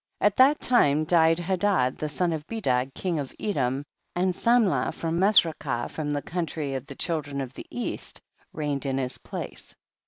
At that lime died Hadad the son of Bedad king of Edom, and Samlah from Mesrekah, from the country of the children of the east, reigned in his place.